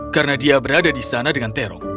karena dia berada di sana dengan terong